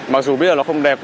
mặc dù biết là nó không đẹp